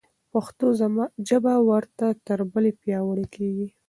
پښتو ژبه ورځ تر بلې پیاوړې کېږي.